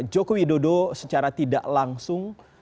joko widodo secara tidak langsung